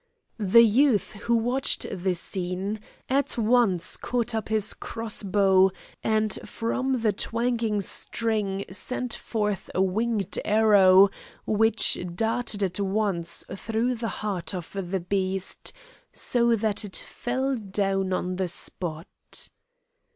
The youth who watched the scene, at once caught up his cross bow, and from the twanging string sent forth a winged arrow which darted at once through the heart of the beast, so that it fell down on the spot.